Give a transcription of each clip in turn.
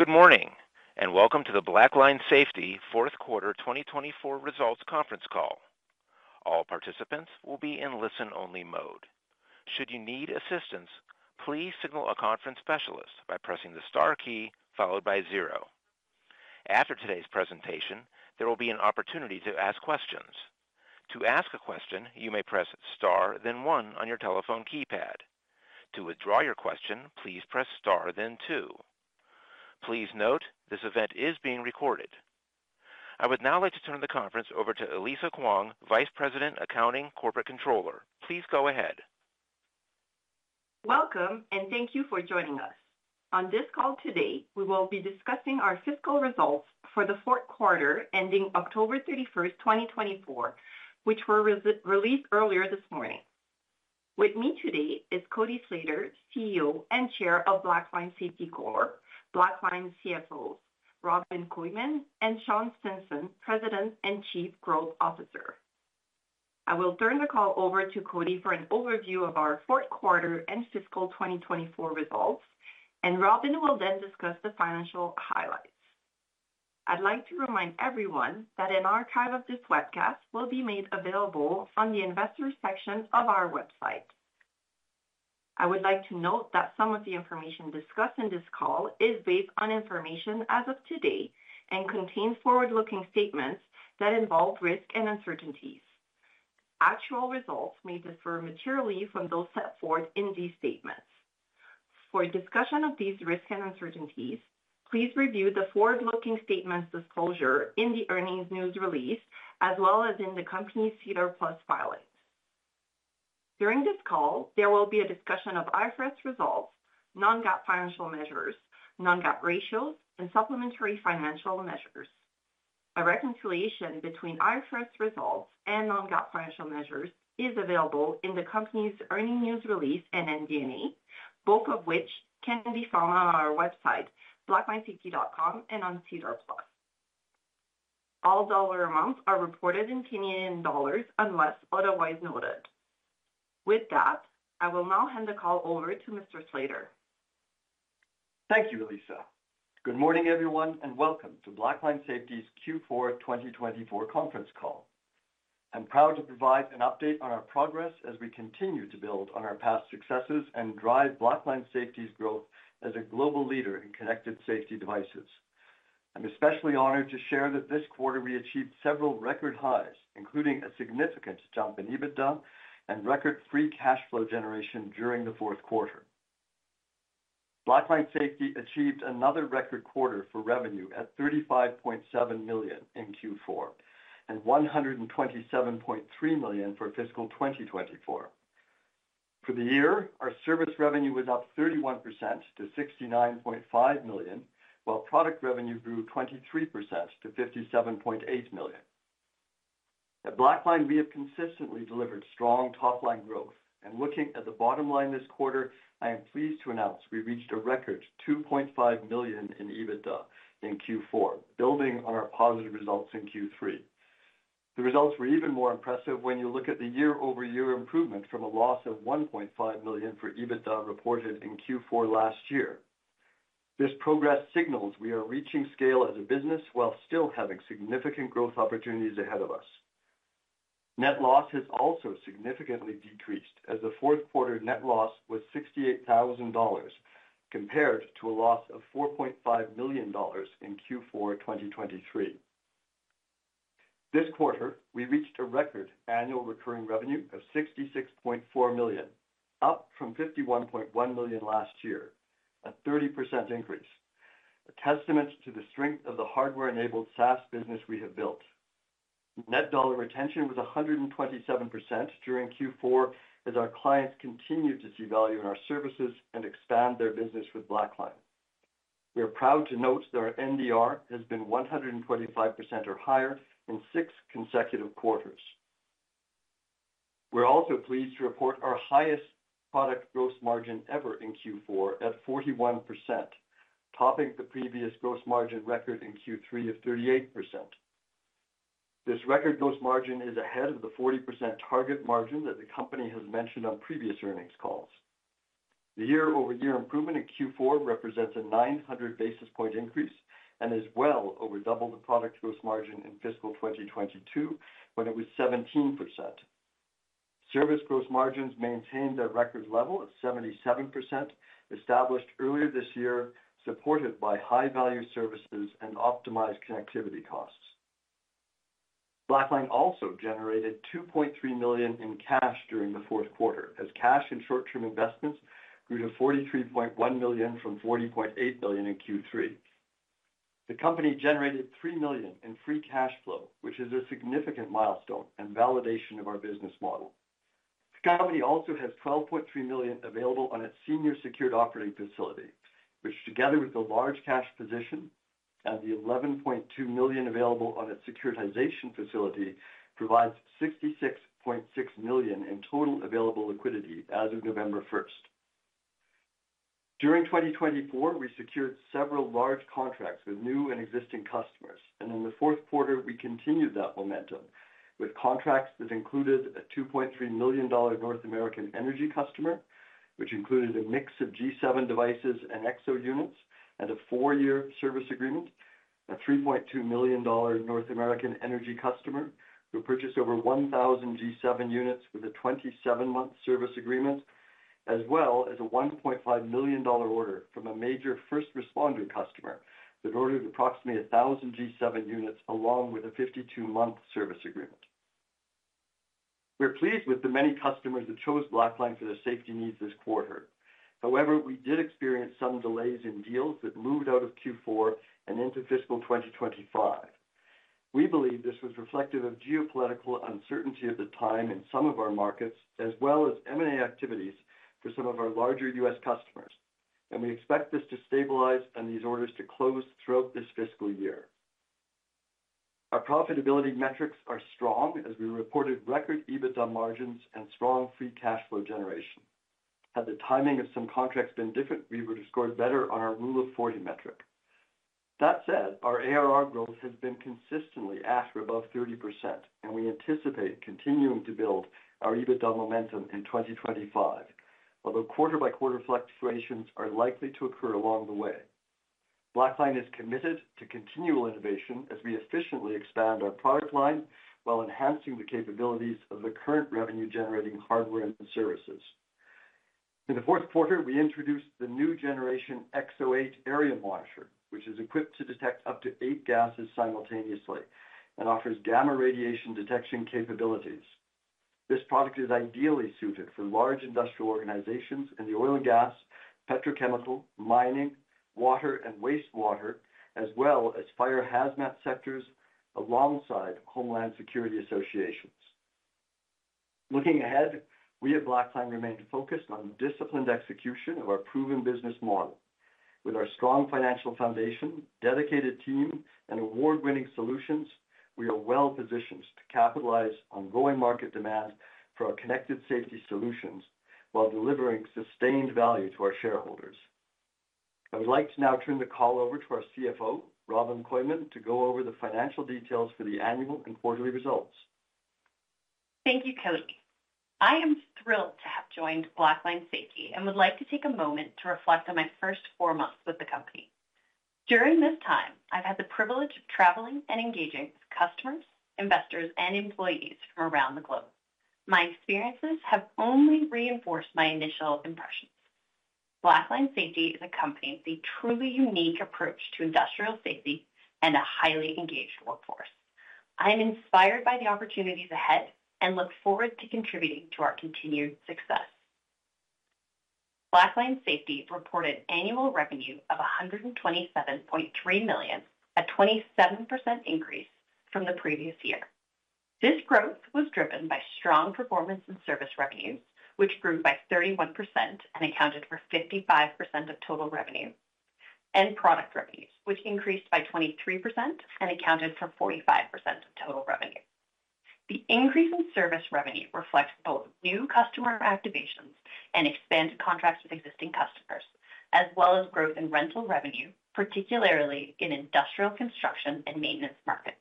Good morning and welcome to the Blackline Safety Fourth Quarter 2024 Results Conference Call. All participants will be in listen-only mode. Should you need assistance, please signal a conference specialist by pressing the star key followed by zero. After today's presentation, there will be an opportunity to ask questions. To ask a question, you may press star, then one on your telephone keypad. To withdraw your question, please press star, then two. Please note this event is being recorded. I would now like to turn the conference over to Elisa Khuong, Vice President, Accounting, Corporate Controller. Please go ahead. Welcome and thank you for joining us. On this call today, we will be discussing our fiscal results for the fourth quarter ending October 31st, 2024, which were released earlier this morning. With me today is Cody Slater, CEO and Chair of Blackline Safety Corp; Blackline's CFO, Robin Kooyman; and Sean Stinson, President and Chief Growth Officer. I will turn the call over to Cody for an overview of our fourth quarter and fiscal 2024 results, and Robin will then discuss the financial highlights. I'd like to remind everyone that an archive of this webcast will be made available from the investor section of our website. I would like to note that some of the information discussed in this call is based on information as of today and contains forward-looking statements that involve risk and uncertainties. Actual results may differ materially from those set forth in these statements. For discussion of these risk and uncertainties, please review the forward-looking statements disclosure in the earnings news release as well as in the company's SEDAR+ filings. During this call, there will be a discussion of IFRS results, non-GAAP financial measures, non-GAAP ratios, and supplementary financial measures. A reconciliation between IFRS results and non-GAAP financial measures is available in the company's earnings news release and MD&A, both of which can be found on our website, blacklinesafety.com, and on SEDAR+. All dollar amounts are reported in Canadian dollars unless otherwise noted. With that, I will now hand the call over to Mr. Slater. Thank you, Elisa. Good morning, everyone, and welcome to Blackline Safety's Q4 2024 conference call. I'm proud to provide an update on our progress as we continue to build on our past successes and drive Blackline Safety's growth as a global leader in connected safety devices. I'm especially honored to share that this quarter we achieved several record highs, including a significant jump in EBITDA and record free cash flow generation during the fourth quarter. Blackline Safety achieved another record quarter for revenue at $35.7 million in Q4 and $127.3 million for fiscal 2024. For the year, our service revenue was up 31% to $69.5 million, while product revenue grew 23% to $57.8 million. At Blackline, we have consistently delivered strong top-line growth, and looking at the bottom line this quarter, I am pleased to announce we reached a record $2.5 million in EBITDA in Q4, building on our positive results in Q3. The results were even more impressive when you look at the year-over-year improvement from a loss of $1.5 million for EBITDA reported in Q4 last year. This progress signals we are reaching scale as a business while still having significant growth opportunities ahead of us. Net loss has also significantly decreased as the fourth quarter net loss was $68,000 compared to a loss of $4.5 million in Q4 2023. This quarter, we reached a record annual recurring revenue of $66.4 million, up from $51.1 million last year, a 30% increase, a testament to the strength of the hardware-enabled SaaS business we have built. Net dollar retention was 127% during Q4 as our clients continued to see value in our services and expand their business with Blackline. We are proud to note that our NDR has been 125% or higher in six consecutive quarters. We're also pleased to report our highest product gross margin ever in Q4 at 41%, topping the previous gross margin record in Q3 of 38%. This record gross margin is ahead of the 40% target margin that the company has mentioned on previous earnings calls. The year-over-year improvement in Q4 represents a 900 basis point increase and is well over double the product gross margin in fiscal 2022 when it was 17%. Service gross margins maintained their record level of 77%, established earlier this year, supported by high-value services and optimized connectivity costs. Blackline also generated $2.3 million in cash during the fourth quarter as cash and short-term investments grew to $43.1 million from $40.8 million in Q3. The company generated $3 million in free cash flow, which is a significant milestone and validation of our business model. The company also has $12.3 million available on its senior secured operating facility, which, together with the large cash position and the $11.2 million available on its securitization facility, provides $66.6 million in total available liquidity as of November 1st. During 2024, we secured several large contracts with new and existing customers, and in the fourth quarter, we continued that momentum with contracts that included a $2.3 million North American energy customer, which included a mix of G7 devices and EXO units and a four-year service agreement, a $3.2 million North American energy customer who purchased over 1,000 G7 units with a 27-month service agreement, as well as a $1.5 million order from a major first responder customer that ordered approximately 1,000 G7 units along with a 52-month service agreement. We're pleased with the many customers that chose Blackline for their safety needs this quarter. However, we did experience some delays in deals that moved out of Q4 and into fiscal 2025. We believe this was reflective of geopolitical uncertainty at the time in some of our markets, as well as M&A activities for some of our larger U.S. customers, and we expect this to stabilize and these orders to close throughout this fiscal year. Our profitability metrics are strong as we reported record EBITDA margins and strong free cash flow generation. Had the timing of some contracts been different, we would have scored better on our Rule of 40 metric. That said, our ARR growth has been consistently at or above 30%, and we anticipate continuing to build our EBITDA momentum in 2025, although quarter-by-quarter fluctuations are likely to occur along the way. Blackline is committed to continual innovation as we efficiently expand our product line while enhancing the capabilities of the current revenue-generating hardware and services. In the fourth quarter, we introduced the new generation EXO 8 area monitor, which is equipped to detect up to eight gases simultaneously and offers gamma radiation detection capabilities. This product is ideally suited for large industrial organizations in the oil and gas, petrochemical, mining, water, and wastewater, as well as fire hazmat sectors alongside Homeland Security associations. Looking ahead, we at Blackline remain focused on disciplined execution of our proven business model. With our strong financial foundation, dedicated team, and award-winning solutions, we are well positioned to capitalize on growing market demand for our connected safety solutions while delivering sustained value to our shareholders. I would like to now turn the call over to our CFO, Robin Kooyman, to go over the financial details for the annual and quarterly results. Thank you, Cody. I am thrilled to have joined Blackline Safety and would like to take a moment to reflect on my first four months with the company. During this time, I've had the privilege of traveling and engaging with customers, investors, and employees from around the globe. My experiences have only reinforced my initial impressions. Blackline Safety is a company with a truly unique approach to industrial safety and a highly engaged workforce. I am inspired by the opportunities ahead and look forward to contributing to our continued success. Blackline Safety reported annual revenue of $127.3 million, a 27% increase from the previous year. This growth was driven by strong performance and service revenues, which grew by 31% and accounted for 55% of total revenue, and product revenues, which increased by 23% and accounted for 45% of total revenue. The increase in service revenue reflects both new customer activations and expanded contracts with existing customers, as well as growth in rental revenue, particularly in industrial construction and maintenance markets.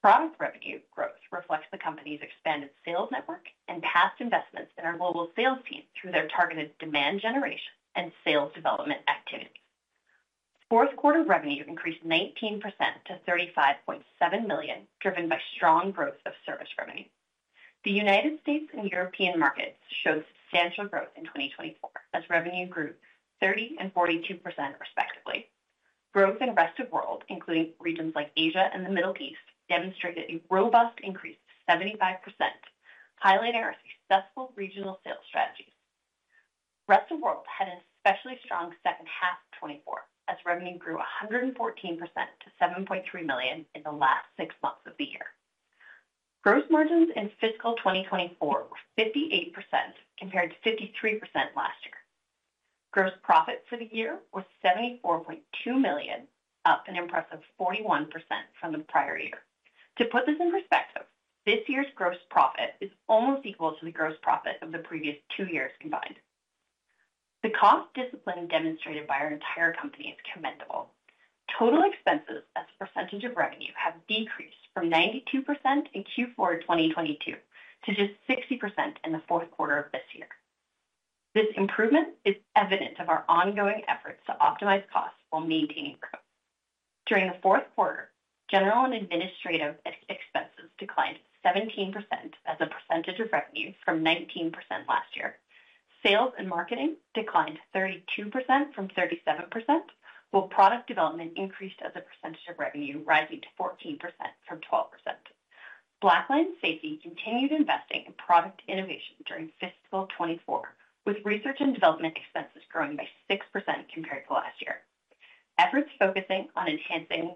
Product revenue growth reflects the company's expanded sales network and past investments in our global sales team through their targeted demand generation and sales development activities. Fourth quarter revenue increased 19% to $35.7 million, driven by strong growth of service revenue. The United States and European markets showed substantial growth in 2024 as revenue grew 30% and 42%, respectively. Growth in Rest of World, including regions like Asia and the Middle East, demonstrated a robust increase of 75%, highlighting our successful regional sales strategies. Rest of World had an especially strong second half of 2024 as revenue grew 114% to $7.3 million in the last six months of the year. Gross margins in fiscal 2024 were 58% compared to 53% last year. Gross profit for the year was $74.2 million, up an impressive 41% from the prior year. To put this in perspective, this year's gross profit is almost equal to the gross profit of the previous two years combined. The cost discipline demonstrated by our entire company is commendable. Total expenses as a percentage of revenue have decreased from 92% in Q4 2022 to just 60% in the fourth quarter of this year. This improvement is evident of our ongoing efforts to optimize costs while maintaining growth. During the fourth quarter, general and administrative expenses declined 17% as a percentage of revenue from 19% last year. Sales and marketing declined 32% from 37%, while product development increased as a percentage of revenue, rising to 14% from 12%. Blackline Safety continued investing in product innovation during fiscal 24, with research and development expenses growing by 6% compared to last year. Efforts focusing on enhancing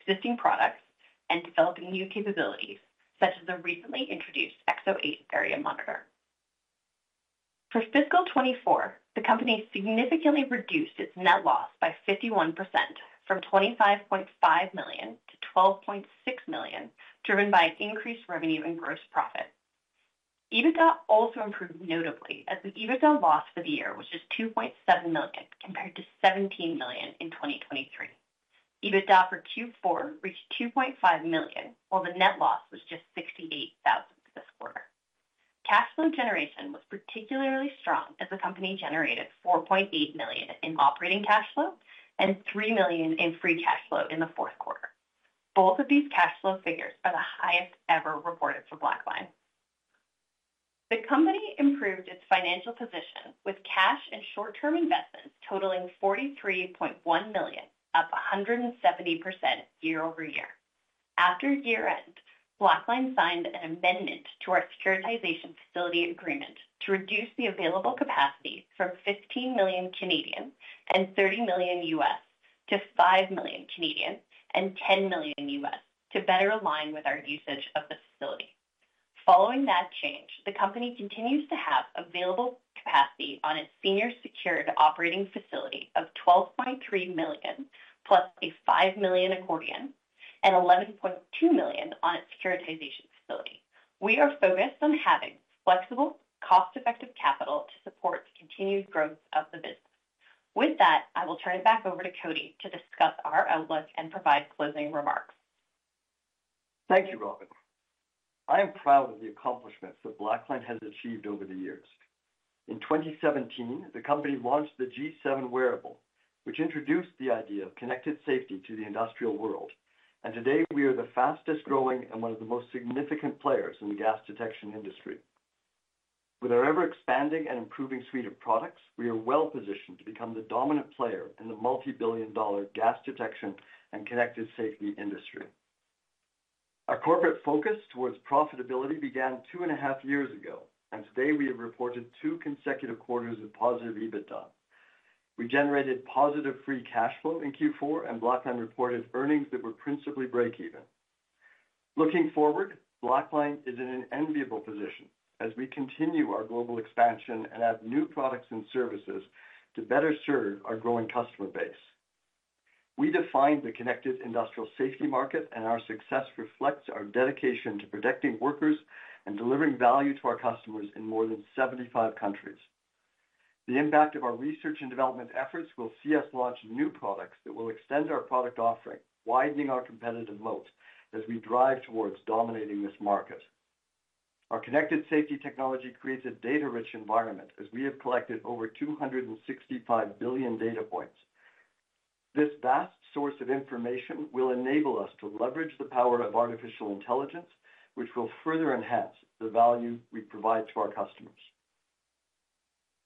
existing products and developing new capabilities, such as the recently introduced EXO 8 area monitor. For fiscal 24, the company significantly reduced its net loss by 51% from $25.5 million to $12.6 million, driven by increased revenue and gross profit. EBITDA also improved notably as the EBITDA loss for the year was just $2.7 million compared to $17 million in 2023. EBITDA for Q4 reached $2.5 million, while the net loss was just $68,000 this quarter. Cash flow generation was particularly strong as the company generated $4.8 million in operating cash flow and $3 million in free cash flow in the fourth quarter. Both of these cash flow figures are the highest ever reported for Blackline. The company improved its financial position with cash and short-term investments totaling $43.1 million, up 170% year-over-year. After year-end, Blackline signed an amendment to our securitization facility agreement to reduce the available capacity from 15 million and 30 million to 5 million and 10 million to better align with our usage of the facility. Following that change, the company continues to have available capacity on its senior secured operating facility of $12.3 million, plus a $5 million accordion and $11.2 million on its securitization facility. We are focused on having flexible, cost-effective capital to support the continued growth of the business. With that, I will turn it back over to Cody to discuss our outlook and provide closing remarks. Thank you, Robin. I am proud of the accomplishments that Blackline has achieved over the years. In 2017, the company launched the G7 wearable, which introduced the idea of connected safety to the industrial world, and today we are the fastest growing and one of the most significant players in the gas detection industry. With our ever-expanding and improving suite of products, we are well positioned to become the dominant player in the multi-billion dollar gas detection and connected safety industry. Our corporate focus towards profitability began two and a half years ago, and today we have reported two consecutive quarters of positive EBITDA. We generated positive free cash flow in Q4, and Blackline reported earnings that were principally break-even. Looking forward, Blackline is in an enviable position as we continue our global expansion and add new products and services to better serve our growing customer base. We define the connected industrial safety market, and our success reflects our dedication to protecting workers and delivering value to our customers in more than 75 countries. The impact of our research and development efforts will see us launch new products that will extend our product offering, widening our competitive moat as we drive towards dominating this market. Our connected safety technology creates a data-rich environment as we have collected over 265 billion data points. This vast source of information will enable us to leverage the power of artificial intelligence, which will further enhance the value we provide to our customers.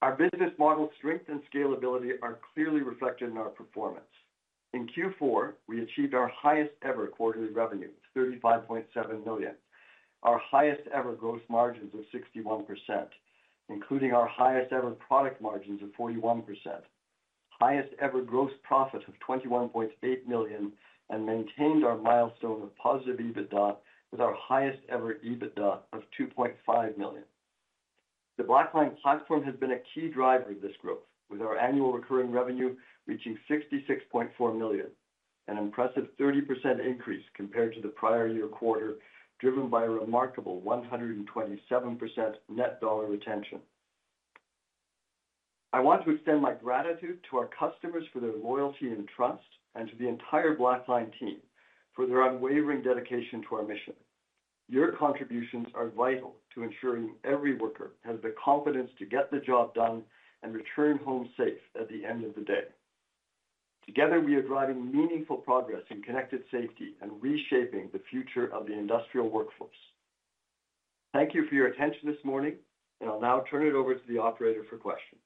Our business model strength and scalability are clearly reflected in our performance. In Q4, we achieved our highest ever quarterly revenue of $35.7 million, our highest ever gross margins of 61%, including our highest ever product margins of 41%, highest ever gross profit of $21.8 million, and maintained our milestone of positive EBITDA with our highest ever EBITDA of $2.5 million. The Blackline platform has been a key driver of this growth, with our annual recurring revenue reaching $66.4 million, an impressive 30% increase compared to the prior year quarter, driven by a remarkable 127% net dollar retention. I want to extend my gratitude to our customers for their loyalty and trust, and to the entire Blackline team for their unwavering dedication to our mission. Your contributions are vital to ensuring every worker has the confidence to get the job done and return home safe at the end of the day. Together, we are driving meaningful progress in connected safety and reshaping the future of the industrial workforce. Thank you for your attention this morning, and I'll now turn it over to the operator for questions.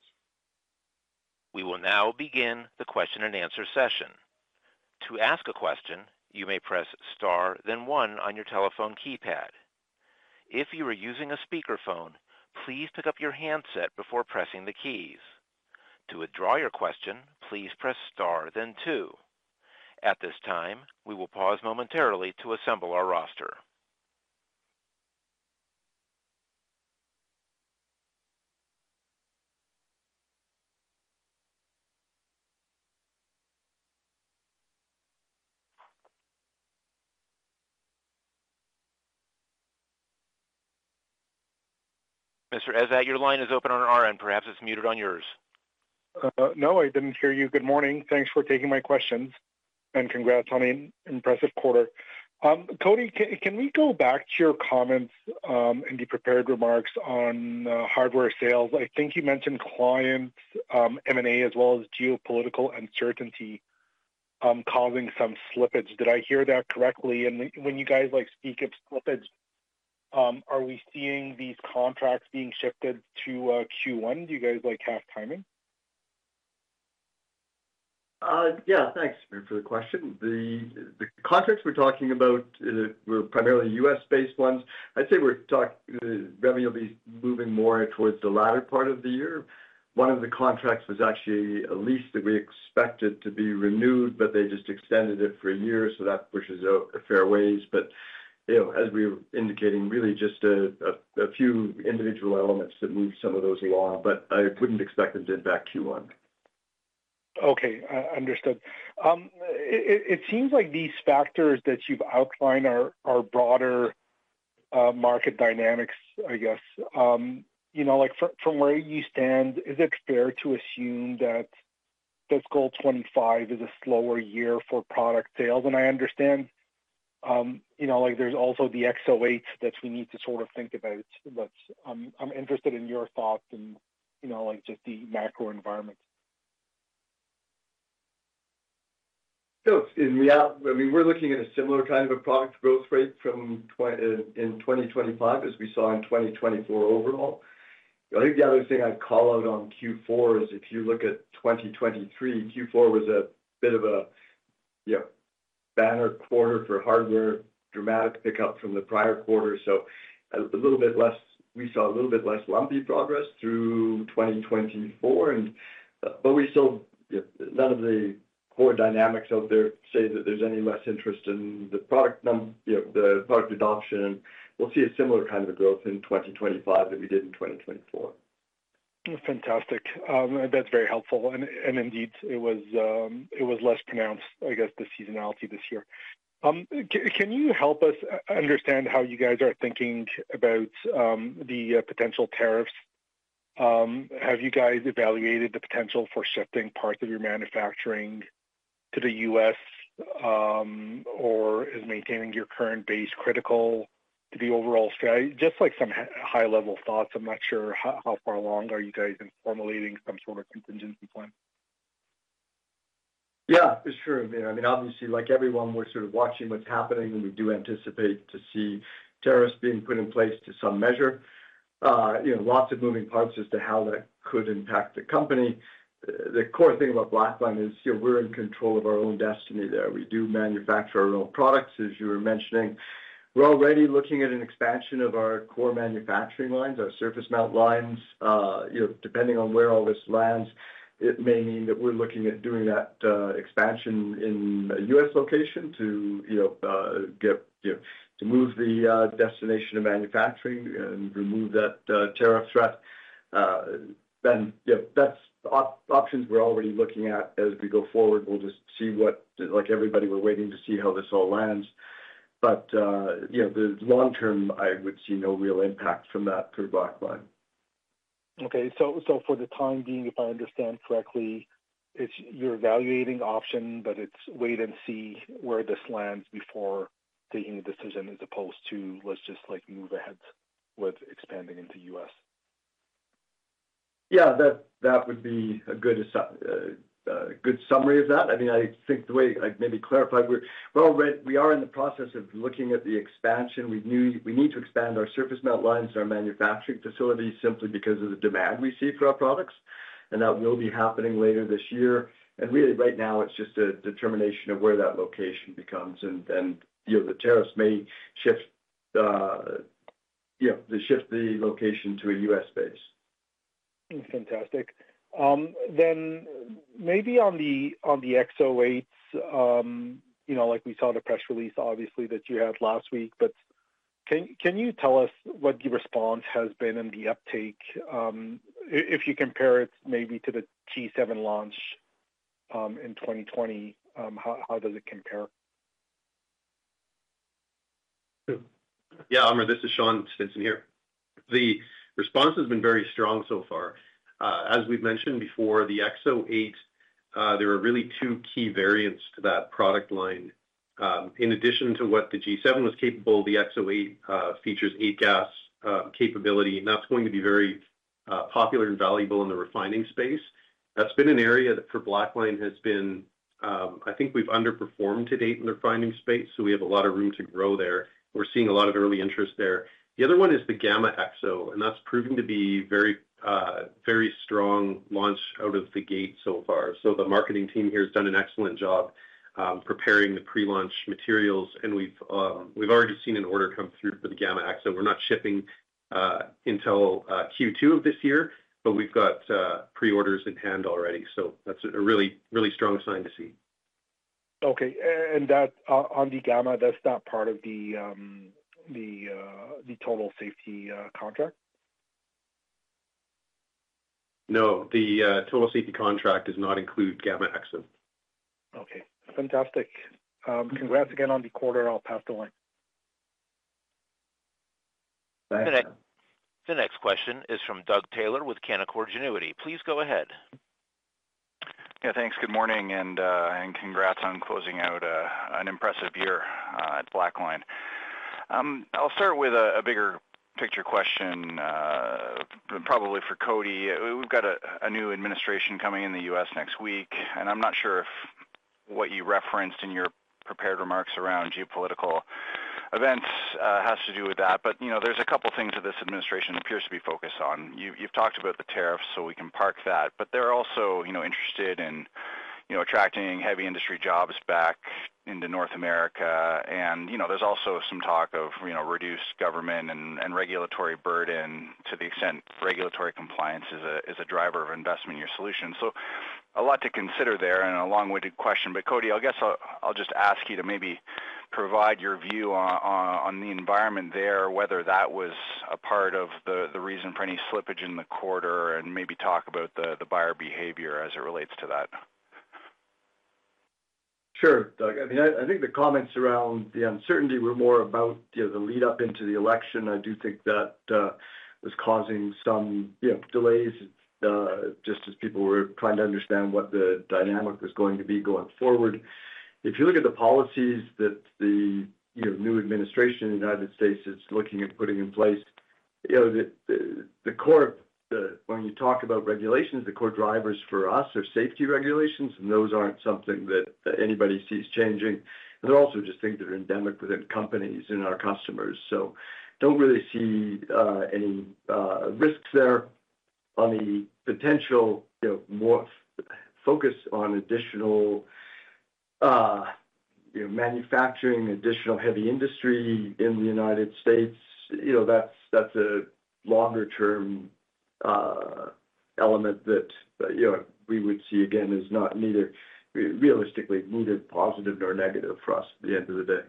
We will now begin the question and answer session. To ask a question, you may press Star, then One on your telephone keypad. If you are using a speakerphone, please pick up your handset before pressing the keys. To withdraw your question, please press Star, then Two. At this time, we will pause momentarily to assemble our roster. Mr. Ezzat, your line is open on our end. Perhaps it's muted on yours. No, I didn't hear you. Good morning. Thanks for taking my questions and congrats on an impressive quarter. Cody, can we go back to your comments and the prepared remarks on hardware sales? I think you mentioned clients, M&A, as well as geopolitical uncertainty causing some slippage. Did I hear that correctly? And when you guys speak of slippage, are we seeing these contracts being shifted to Q1? Do you guys have timing? Yeah, thanks, Amr, for the question. The contracts we're talking about were primarily U.S.-based ones. I'd say revenue will be moving more towards the latter part of the year. One of the contracts was actually a lease that we expected to be renewed, but they just extended it for a year, so that pushes it a fair ways. But as we were indicating, really just a few individual elements that moved some of those along, but I wouldn't expect them to impact Q1. Okay, understood. It seems like these factors that you've outlined are broader market dynamics, I guess. From where you stand, is it fair to assume that fiscal 2025 is a slower year for product sales? And I understand there's also the EXO 8 that we need to sort of think about, but I'm interested in your thoughts and just the macro environment. No, I mean, we're looking at a similar kind of a product growth rate in 2025 as we saw in 2024 overall. I think the other thing I'd call out on Q4 is if you look at 2023, Q4 was a bit of a banner quarter for hardware, dramatic pickup from the prior quarter. So a little bit less, we saw a little bit less lumpy progress through 2024, but none of the core dynamics out there say that there's any less interest in the product adoption. We'll see a similar kind of growth in 2025 than we did in 2024. Fantastic. That's very helpful. And indeed, it was less pronounced, I guess, the seasonality this year. Can you help us understand how you guys are thinking about the potential tariffs? Have you guys evaluated the potential for shifting parts of your manufacturing to the U.S., or is maintaining your current base critical to the overall strategy? Just some high-level thoughts. I'm not sure how far along are you guys in formulating some sort of contingency plan? Yeah, it's true. I mean, obviously, like everyone, we're sort of watching what's happening, and we do anticipate to see tariffs being put in place to some measure. Lots of moving parts as to how that could impact the company. The core thing about Blackline is we're in control of our own destiny there. We do manufacture our own products, as you were mentioning. We're already looking at an expansion of our core manufacturing lines, our surface mount lines. Depending on where all this lands, it may mean that we're looking at doing that expansion in a U.S. location to move the destination of manufacturing and remove that tariff threat. Then that's options we're already looking at as we go forward. We'll just see what everybody we're waiting to see how this all lands. But the long term, I would see no real impact from that through Blackline. Okay. So for the time being, if I understand correctly, you're evaluating option, but it's wait and see where this lands before taking a decision as opposed to let's just move ahead with expanding into the U.S.? Yeah, that would be a good summary of that. I mean, I think the way I maybe clarified, well, we are in the process of looking at the expansion. We need to expand our surface mount lines and our manufacturing facilities simply because of the demand we see for our products, and that will be happening later this year, and really, right now, it's just a determination of where that location becomes, and then the tariffs may shift the location to a U.S. base. Fantastic. Then maybe on the EXO 8, like we saw the press release, obviously, that you had last week, but can you tell us what the response has been and the uptake? If you compare it maybe to the G7 launch in 2020, how does it compare? Yeah, Owen, this is Sean Stinson here. The response has been very strong so far. As we've mentioned before, the EXO 8, there are really two key variants to that product line. In addition to what the G7 was capable, the EXO 8 features eight-gas capability, and that's going to be very popular and valuable in the refining space. That's been an area for Blackline, I think we've underperformed to date in the refining space, so we have a lot of room to grow there. We're seeing a lot of early interest there. The other one is the Gamma EXO, and that's proving to be a very strong launch out of the gate so far. So the marketing team here has done an excellent job preparing the pre-launch materials, and we've already seen an order come through for the Gamma EXO. We're not shipping until Q2 of this year, but we've got pre-orders in hand already. So that's a really strong sign to see. Okay. And on the Gamma, that's not part of the Total Safety contract? No, the Total Safety contract does not include Gamma EXO. Okay. Fantastic. Congrats again on the quarter. I'll pass the line. The next question is from Doug Taylor with Canaccord Genuity. Please go ahead. Yeah, thanks. Good morning and congrats on closing out an impressive year at Blackline. I'll start with a bigger picture question, probably for Cody. We've got a new administration coming in the U.S. next week, and I'm not sure if what you referenced in your prepared remarks around geopolitical events has to do with that, but there's a couple of things that this administration appears to be focused on. You've talked about the tariffs, so we can park that, but they're also interested in attracting heavy industry jobs back into North America, and there's also some talk of reduced government and regulatory burden to the extent regulatory compliance is a driver of investment in your solution. So a lot to consider there and a long-winded question, but Cody, I guess I'll just ask you to maybe provide your view on the environment there, whether that was a part of the reason for any slippage in the quarter, and maybe talk about the buyer behavior as it relates to that. Sure, Doug. I mean, I think the comments around the uncertainty were more about the lead-up into the election. I do think that was causing some delays just as people were trying to understand what the dynamic was going to be going forward. If you look at the policies that the new administration in the United States is looking at putting in place, the core when you talk about regulations, the core drivers for us are safety regulations, and those aren't something that anybody sees changing. And they're also just things that are endemic within companies and our customers. So don't really see any risks there on the potential focus on additional manufacturing, additional heavy industry in the United States. That's a longer-term element that we would see again is not realistically neither positive nor negative for us at the end of the day.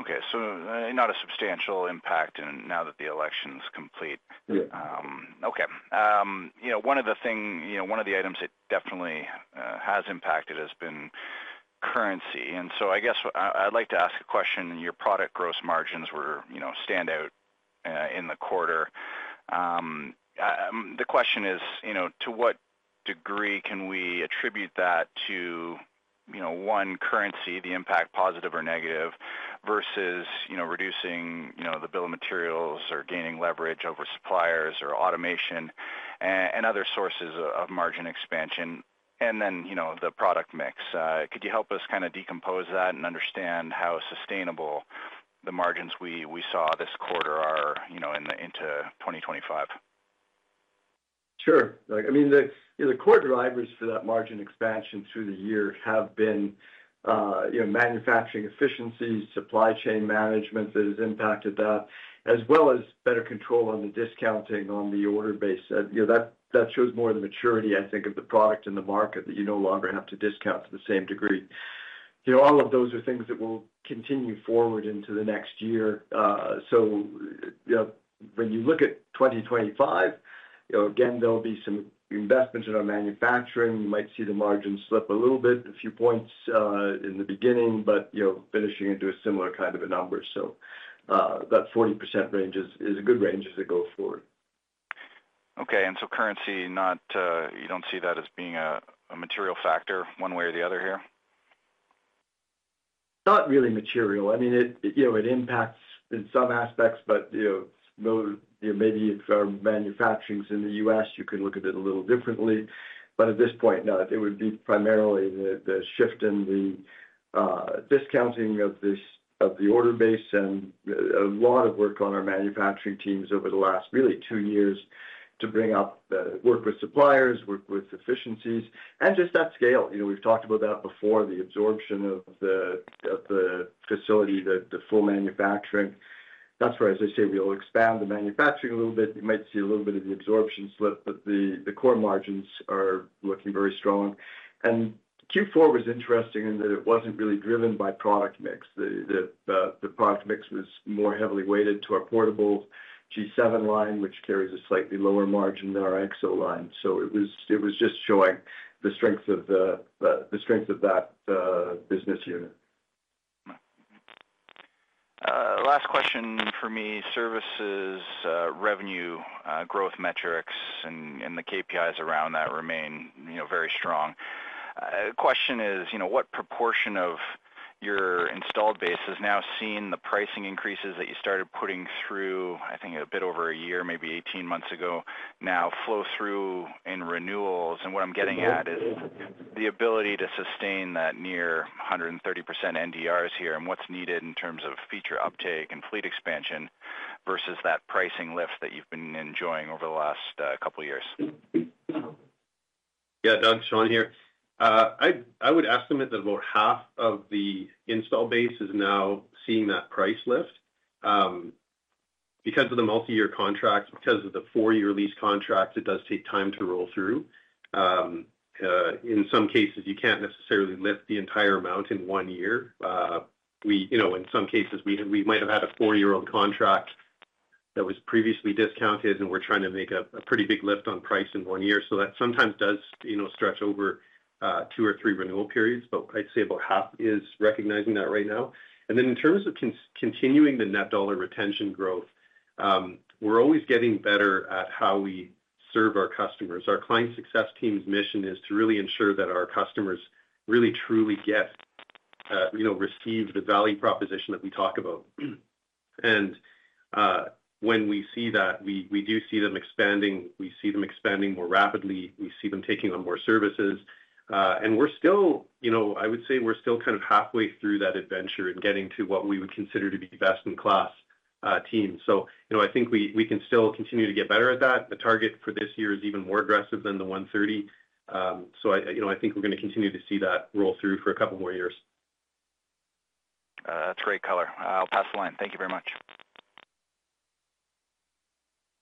Okay. So not a substantial impact now that the election's complete. Okay. One of the things, one of the items it definitely has impacted has been currency. And so I guess I'd like to ask a question. Your product gross margins were standout in the quarter. The question is, to what degree can we attribute that to one currency, the impact positive or negative, versus reducing the bill of materials or gaining leverage over suppliers or automation and other sources of margin expansion, and then the product mix? Could you help us kind of decompose that and understand how sustainable the margins we saw this quarter are into 2025? Sure. I mean, the core drivers for that margin expansion through the year have been manufacturing efficiencies, supply chain management that has impacted that, as well as better control on the discounting on the order base. That shows more of the maturity, I think, of the product in the market that you no longer have to discount to the same degree. All of those are things that will continue forward into the next year. So when you look at 2025, again, there'll be some investments in our manufacturing. You might see the margin slip a little bit, a few points in the beginning, but finishing into a similar kind of a number. So that 40% range is a good range as we go forward. Okay. And so currency, you don't see that as being a material factor one way or the other here? Not really material. I mean, it impacts in some aspects, but maybe if our manufacturing's in the U.S., you can look at it a little differently. But at this point, no, it would be primarily the shift in the discounting of the order base and a lot of work on our manufacturing teams over the last really two years to bring up work with suppliers, work with efficiencies, and just that scale. We've talked about that before, the absorption of the facility, the full manufacturing. That's where, as I say, we'll expand the manufacturing a little bit. You might see a little bit of the absorption slip, but the core margins are looking very strong, and Q4 was interesting in that it wasn't really driven by product mix. The product mix was more heavily weighted to our portable G7 line, which carries a slightly lower margin than our EXO line. It was just showing the strength of that business unit. Last question for me. Services revenue growth metrics, and the KPIs around that remain very strong. Question is, what proportion of your installed base has now seen the pricing increases that you started putting through, I think a bit over a year, maybe 18 months ago, now flow through in renewals, and what I'm getting at is the ability to sustain that near 130% NDRs here and what's needed in terms of feature uptake and fleet expansion versus that pricing lift that you've been enjoying over the last couple of years. Yeah, Doug, Sean here. I would estimate that about half of the install base is now seeing that price lift. Because of the multi-year contract, because of the four-year lease contract, it does take time to roll through. In some cases, you can't necessarily lift the entire amount in one year. In some cases, we might have had a four-year-old contract that was previously discounted, and we're trying to make a pretty big lift on price in one year. So that sometimes does stretch over two or three renewal periods, but I'd say about half is recognizing that right now. And then in terms of continuing the net dollar retention growth, we're always getting better at how we serve our customers. Our client success team's mission is to really ensure that our customers really, truly receive the value proposition that we talk about. When we see that, we do see them expanding. We see them expanding more rapidly. We see them taking on more services. We're still, I would say we're still kind of halfway through that adventure in getting to what we would consider to be best-in-class teams. I think we can still continue to get better at that. The target for this year is even more aggressive than the 130. I think we're going to continue to see that roll through for a couple more years. That's great color. I'll pass the line. Thank you very much.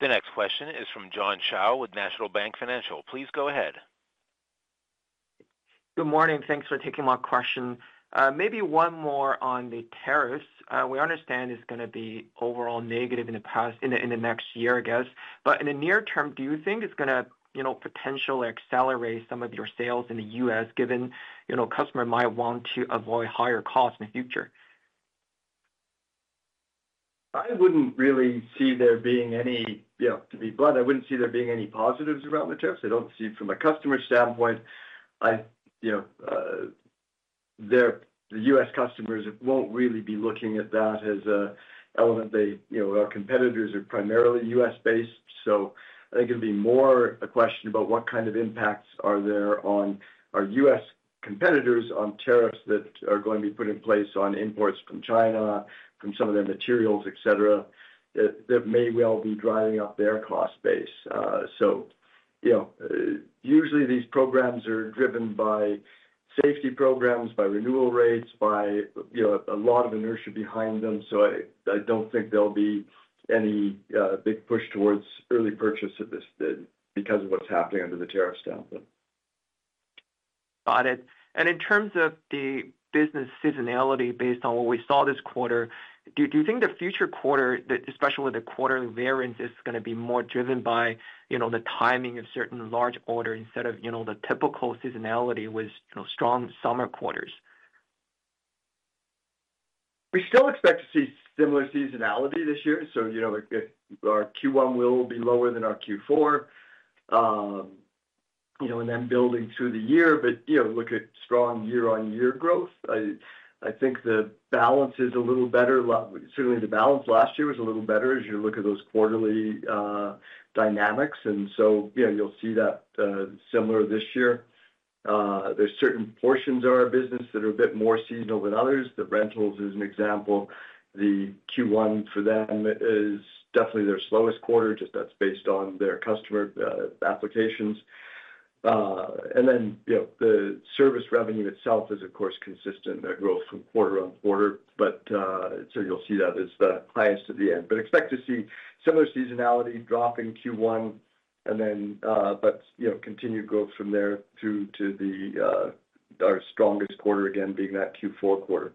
The next question is from John Shao with National Bank Financial. Please go ahead. Good morning. Thanks for taking my question. Maybe one more on the tariffs. We understand it's going to be overall negative in the next year, I guess. But in the near term, do you think it's going to potentially accelerate some of your sales in the U.S. given customers might want to avoid higher costs in the future? I wouldn't really see there being any, to be blunt, I wouldn't really see there being any positives around the tariffs. I don't see from a customer standpoint, the U.S. customers won't really be looking at that as an element. Our competitors are primarily U.S.-based. So I think it'll be more a question about what kind of impacts are there on our U.S. competitors on tariffs that are going to be put in place on imports from China, from some of their materials, etc., that may well be driving up their cost base. So usually, these programs are driven by safety programs, by renewal rates, by a lot of inertia behind them. So I don't think there'll be any big push towards early purchase because of what's happening under the tariff standpoint. Got it. And in terms of the business seasonality based on what we saw this quarter, do you think the future quarter, especially with the quarterly variance, is going to be more driven by the timing of certain large orders instead of the typical seasonality with strong summer quarters? We still expect to see similar seasonality this year, so our Q1 will be lower than our Q4, and then building through the year, but look at strong year-on-year growth. I think the balance is a little better. Certainly, the balance last year was a little better as you look at those quarterly dynamics, and so you'll see that similar this year. There's certain portions of our business that are a bit more seasonal than others. The rentals is an example. The Q1 for them is definitely their slowest quarter, just that's based on their customer applications, and then the service revenue itself is, of course, consistent in their growth from quarter-on-quarter, but so you'll see that as the highest at the end, but expect to see similar seasonality drop in Q1, but continued growth from there through to our strongest quarter, again, being that Q4 quarter.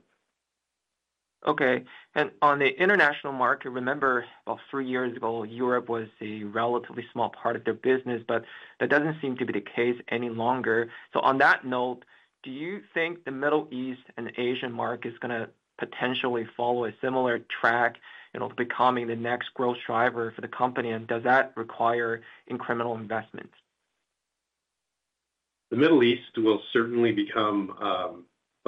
Okay. And on the international market, remember about three years ago, Europe was a relatively small part of their business, but that doesn't seem to be the case any longer. So on that note, do you think the Middle East and Asia market is going to potentially follow a similar track, becoming the next growth driver for the company? And does that require incremental investment? The Middle East will certainly become a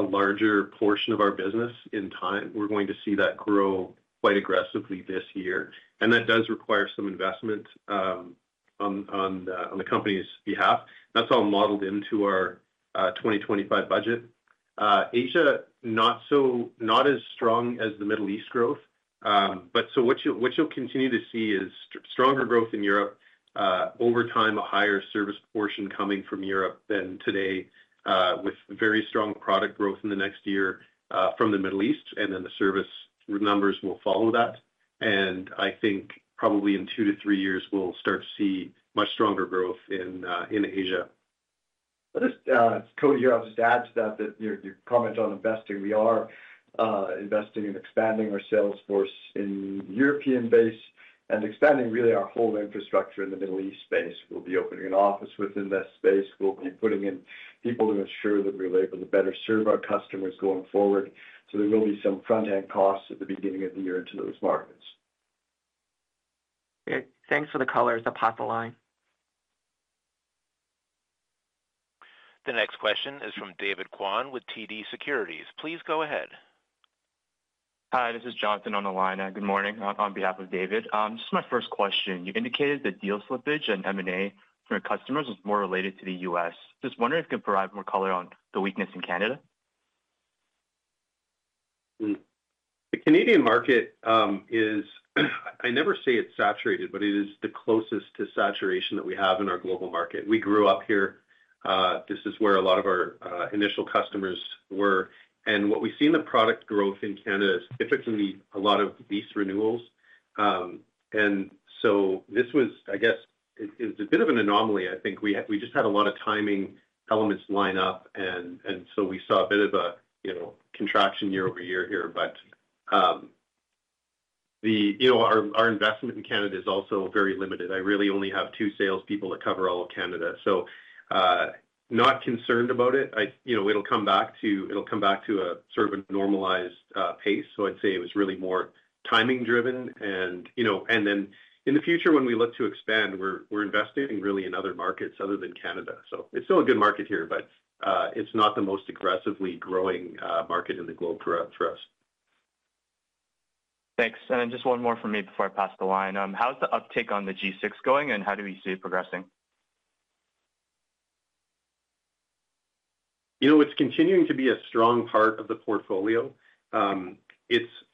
larger portion of our business in time. We're going to see that grow quite aggressively this year, and that does require some investment on the company's behalf. That's all modeled into our 2025 budget. Asia, not as strong as the Middle East growth, but so what you'll continue to see is stronger growth in Europe. Over time, a higher service portion coming from Europe than today, with very strong product growth in the next year from the Middle East, and then the service numbers will follow that, and I think probably in two to three years, we'll start to see much stronger growth in Asia. Cody here, I'll just add to that your comment on investing. We are investing and expanding our sales force in European base and expanding really our whole infrastructure in the Middle East space. We'll be opening an office within that space. We'll be putting in people to ensure that we're able to better serve our customers going forward, so there will be some front-end costs at the beginning of the year into those markets. Thanks for the colors. I'll pass the line. The next question is from David Kwan with TD Securities. Please go ahead. Hi, this is Jonathan on the line. Good morning on behalf of David. This is my first question. You indicated that deal slippage and M&A for customers is more related to the U.S. Just wondering if you can provide more color on the weakness in Canada. The Canadian market is, I never say it's saturated, but it is the closest to saturation that we have in our global market. We grew up here. This is where a lot of our initial customers were. And what we see in the product growth in Canada is typically a lot of lease renewals. And so this was, I guess, it's a bit of an anomaly. I think we just had a lot of timing elements line up. And so we saw a bit of a contraction year-over-year here. But our investment in Canada is also very limited. I really only have two salespeople that cover all of Canada. So not concerned about it. It'll come back to a sort of a normalized pace. So I'd say it was really more timing-driven. Then in the future, when we look to expand, we're investing really in other markets other than Canada. It's still a good market here, but it's not the most aggressively growing market in the globe for us. Thanks, and then just one more from me before I pass the line. How's the uptake on the G6 going, and how do we see it progressing? It's continuing to be a strong part of the portfolio.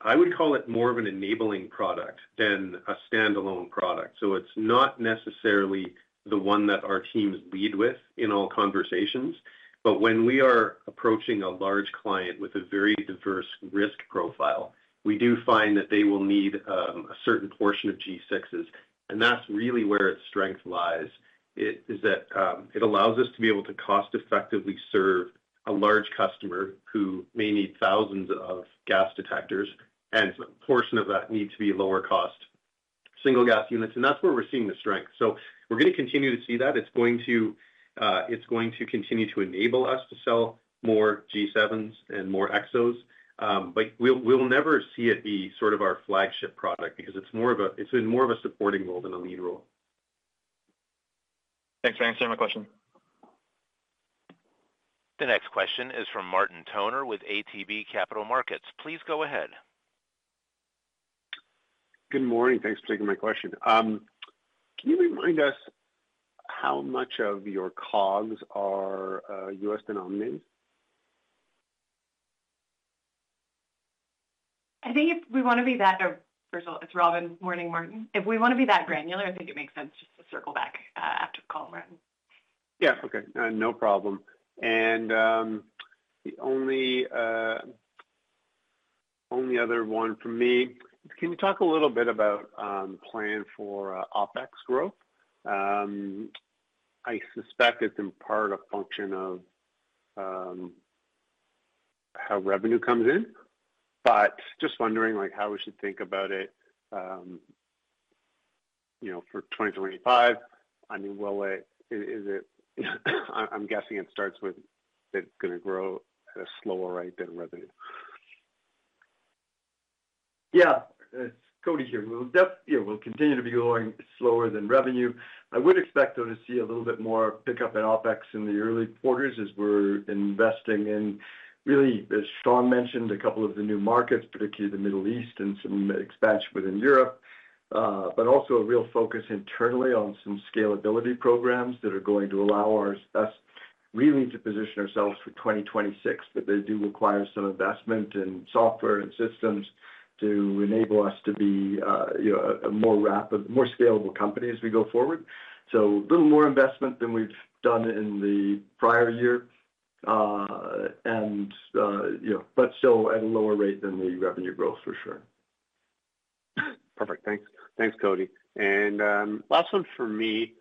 I would call it more of an enabling product than a standalone product. So it's not necessarily the one that our teams lead with in all conversations. But when we are approaching a large client with a very diverse risk profile, we do find that they will need a certain portion of G6s. And that's really where its strength lies. It allows us to be able to cost-effectively serve a large customer who may need thousands of gas detectors, and a portion of that needs to be lower-cost single-gas units. And that's where we're seeing the strength. So we're going to continue to see that. It's going to continue to enable us to sell more G7s and more EXOs. But we'll never see it be sort of our flagship product because it's been more of a supporting role than a lead role. Thanks for answering my question. The next question is from Martin Toner with ATB Capital Markets. Please go ahead. Good morning. Thanks for taking my question. Can you remind us how much of your COGS are U.S. denominated? I think if we want to be that. It's Robin. Morning, Martin. If we want to be that granular, I think it makes sense just to circle back after the call, Martin. Yeah. Okay. No problem. And the only other one for me, can you talk a little bit about the plan for OpEx growth? I suspect it's in part a function of how revenue comes in. But just wondering how we should think about it for 2025. I mean, is it, I'm guessing it starts with that it's going to grow at a slower rate than revenue? Yeah. Cody here. We'll continue to be going slower than revenue. I would expect to see a little bit more pickup in OpEx in the early quarters as we're investing in, really, as Sean mentioned, a couple of the new markets, particularly the Middle East and some expansion within Europe, but also a real focus internally on some scalability programs that are going to allow us really to position ourselves for 2026. But they do require some investment in software and systems to enable us to be a more scalable company as we go forward. So a little more investment than we've done in the prior year, but still at a lower rate than the revenue growth, for sure. Perfect. Thanks. Thanks, Cody. And last one for me.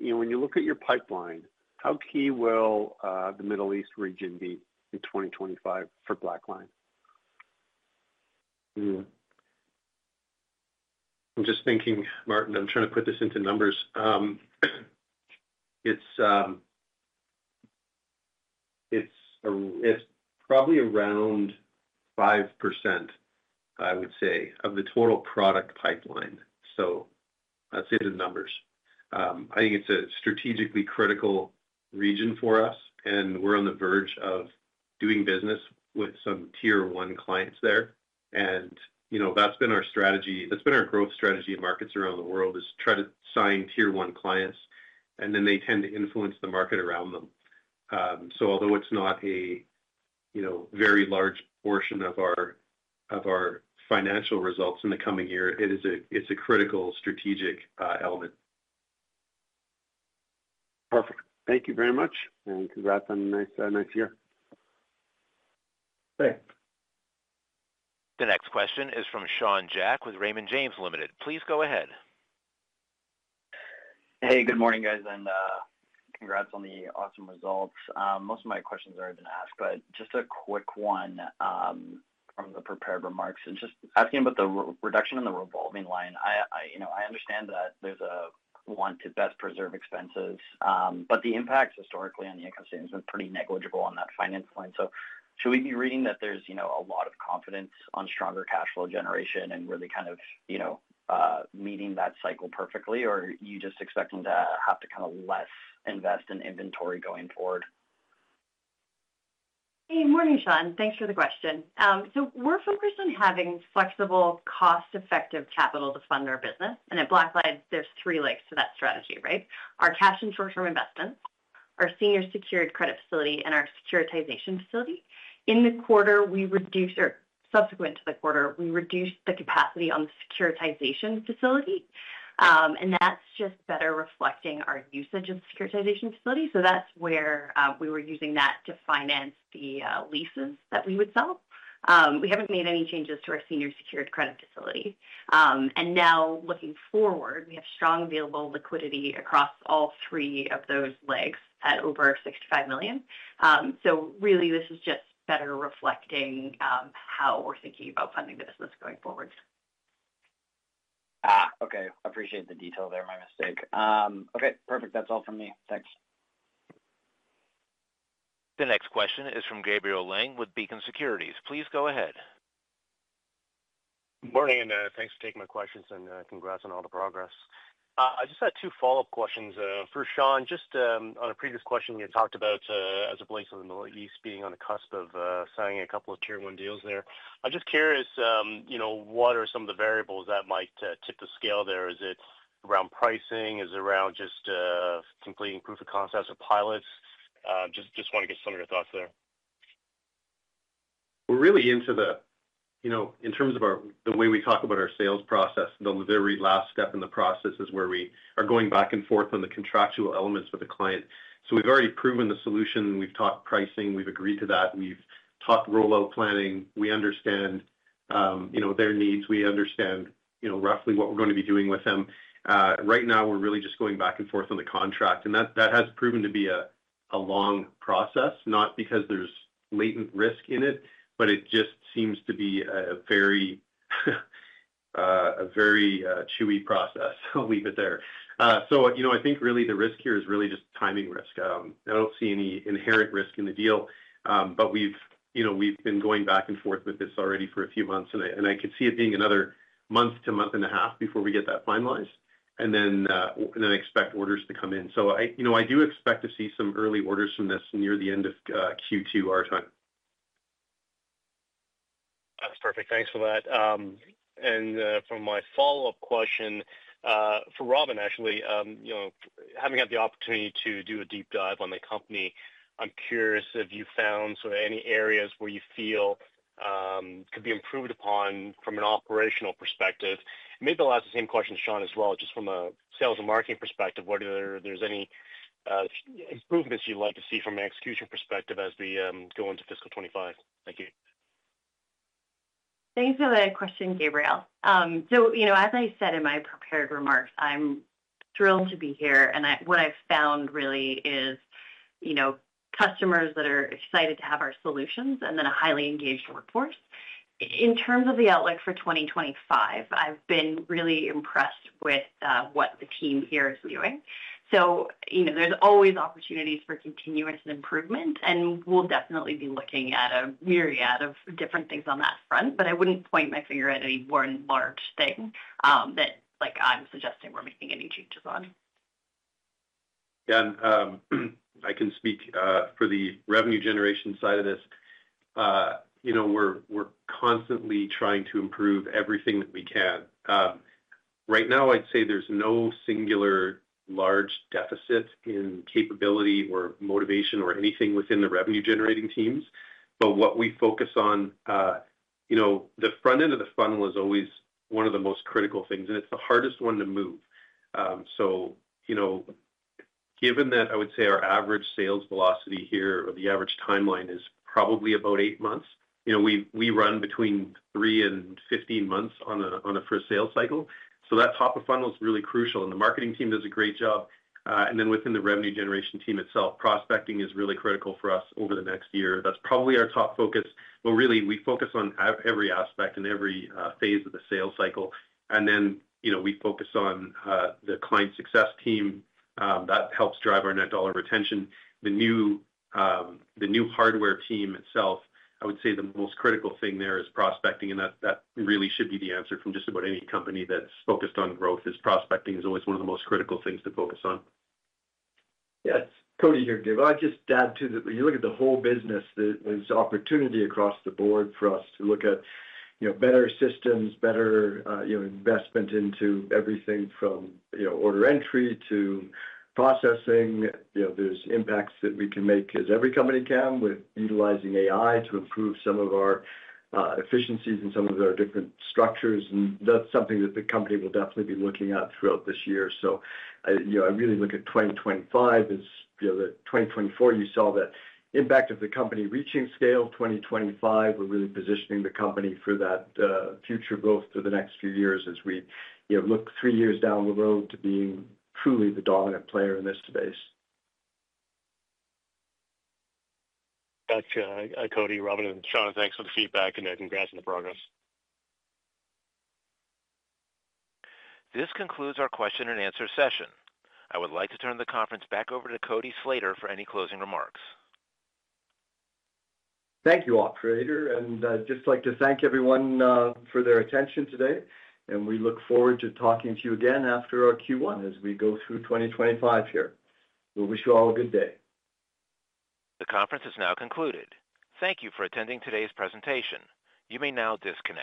When you look at your pipeline, how key will the Middle East region be in 2025 for Blackline? I'm just thinking, Martin. I'm trying to put this into numbers. It's probably around 5%, I would say, of the total product pipeline. So that's into numbers. I think it's a strategically critical region for us. And we're on the verge of doing business with some Tier 1 clients there. And that's been our strategy. That's been our growth strategy in markets around the world is try to sign Tier 1 clients. And then they tend to influence the market around them. So although it's not a very large portion of our financial results in the coming year, it's a critical strategic element. Perfect. Thank you very much, and congrats on a nice year. Thanks. The next question is from Sean Jack with Raymond James Ltd. Please go ahead. Hey, good morning, guys, and congrats on the awesome results. Most of my questions are already been asked, but just a quick one from the prepared remarks. Just asking about the reduction in the revolving line. I understand that there's a want to best preserve expenses, but the impact historically on the income stream has been pretty negligible on that finance line, so should we be reading that there's a lot of confidence on stronger cash flow generation and really kind of meeting that cycle perfectly, or are you just expecting to have to kind of less invest in inventory going forward? Hey, morning, Sean. Thanks for the question. So we're focused on having flexible, cost-effective capital to fund our business. And at Blackline, there's three legs to that strategy, right? Our cash and short-term investments, our senior secured credit facility, and our securitization facility. In the quarter, we reduced or subsequent to the quarter, we reduced the capacity on the securitization facility. And that's just better reflecting our usage of the securitization facility. So that's where we were using that to finance the leases that we would sell. We haven't made any changes to our senior secured credit facility. And now, looking forward, we have strong available liquidity across all three of those legs at over $65 million. So really, this is just better reflecting how we're thinking about funding the business going forward. Okay. I appreciate the detail there, my mistake. Okay. Perfect. That's all from me. Thanks. The next question is from Gabriel Leung with Beacon Securities. Please go ahead. Morning and thanks for taking my questions and congrats on all the progress. I just had two follow-up questions. For Sean, just on a previous question, you talked about, as it relates to the Middle East, being on the cusp of signing a couple of Tier 1 deals there. I'm just curious, what are some of the variables that might tip the scale there? Is it around pricing? Is it around just completing proof of concepts or pilots? Just want to get some of your thoughts there. We're really, in terms of the way we talk about our sales process, the very last step in the process is where we are going back and forth on the contractual elements with the client. So we've already proven the solution. We've talked pricing. We've agreed to that. We've talked rollout planning. We understand their needs. We understand roughly what we're going to be doing with them. Right now, we're really just going back and forth on the contract. And that has proven to be a long process, not because there's latent risk in it, but it just seems to be a very chewy process. I'll leave it there. So I think really the risk here is really just timing risk. I don't see any inherent risk in the deal. But we've been going back and forth with this already for a few months. I could see it being another month to month and a half before we get that finalized and then expect orders to come in. I do expect to see some early orders from this near the end of Q2 our time. That's perfect. Thanks for that, and for my follow-up question for Robin, actually, having had the opportunity to do a deep dive on the company, I'm curious if you found sort of any areas where you feel could be improved upon from an operational perspective. Maybe I'll ask the same question to Sean as well, just from a sales and marketing perspective, whether there's any improvements you'd like to see from an execution perspective as we go into fiscal 25. Thank you. Thanks for the question, Gabriel. So as I said in my prepared remarks, I'm thrilled to be here. And what I've found really is customers that are excited to have our solutions and then a highly engaged workforce. In terms of the outlook for 2025, I've been really impressed with what the team here is doing. So there's always opportunities for continuous improvement. And we'll definitely be looking at a myriad of different things on that front. But I wouldn't point my finger at any one large thing that I'm suggesting we're making any changes on. Yeah, and I can speak for the revenue generation side of this. We're constantly trying to improve everything that we can. Right now, I'd say there's no singular large deficit in capability or motivation or anything within the revenue-generating teams, but what we focus on, the front end of the funnel is always one of the most critical things, and it's the hardest one to move, so given that I would say our average sales velocity here or the average timeline is probably about eight months. We run between three and 15 months on a first sales cycle, so that top of funnel is really crucial, and the marketing team does a great job, and then within the revenue generation team itself, prospecting is really critical for us over the next year. That's probably our top focus. But really, we focus on every aspect and every phase of the sales cycle. And then we focus on the client success team that helps drive our Net Dollar Retention. The new hardware team itself, I would say the most critical thing there is prospecting. And that really should be the answer from just about any company that's focused on growth, is prospecting is always one of the most critical things to focus on. Yes. Cody here, Gabriel. I'd just add to that when you look at the whole business, there's opportunity across the board for us to look at better systems, better investment into everything from order entry to processing. There's impacts that we can make as every company can with utilizing AI to improve some of our efficiencies and some of our different structures. And that's something that the company will definitely be looking at throughout this year. So I really look at 2025. In 2024, you saw that impact of the company reaching scale. 2025, we're really positioning the company for that future growth for the next few years as we look three years down the road to being truly the dominant player in this space. Gotcha. Cody, Robin, and Sean, thanks for the feedback, and congrats on the progress. This concludes our question-and-answer session. I would like to turn the conference back over to Cody Slater for any closing remarks. Thank you, Operator. And I'd just like to thank everyone for their attention today. And we look forward to talking to you again after our Q1 as we go through 2025 here. We wish you all a good day. The conference is now concluded. Thank you for attending today's presentation. You may now disconnect.